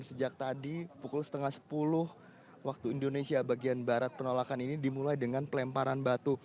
sejak tadi pukul setengah sepuluh waktu indonesia bagian barat penolakan ini dimulai dengan pelemparan batu